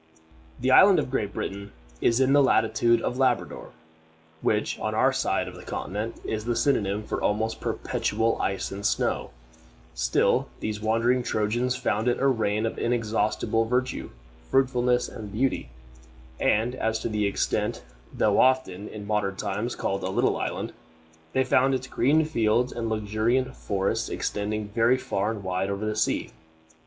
The island of Great Britain is in the latitude of Labrador, which on our side of the continent is the synonym for almost perpetual ice and snow; still these wandering Trojans found it a region of inexhaustible verdure, fruitfulness, and beauty; and as to its extent, though often, in modern times, called a little island, they found its green fields and luxuriant forests extending very far and wide over the sea.